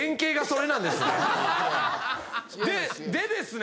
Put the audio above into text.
ででですね